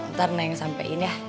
ntar neng sampein ya